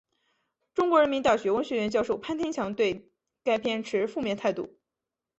中国人民大学文学院教授潘天强对该片持负面态度。